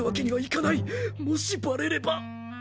もしバレれば。